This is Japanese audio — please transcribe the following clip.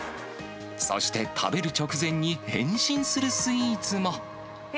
そして、食べる直前に、変身するスイーツも。え？